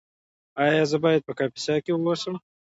ایا زه باید په کاپیسا کې اوسم؟